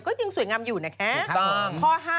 ก็ยังสวยงามอยู่นะครับถูกครับ